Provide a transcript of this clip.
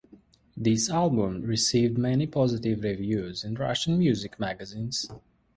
This album received many positive reviews in Russian music magazines.